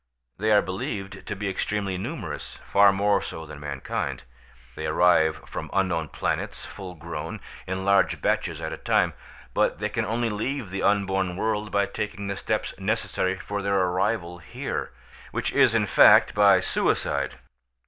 They are believed to be extremely numerous, far more so than mankind. They arrive from unknown planets, full grown, in large batches at a time; but they can only leave the unborn world by taking the steps necessary for their arrival here—which is, in fact, by suicide.